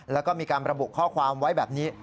แล้วก็มีการระบุข้อความไว้แบบนี้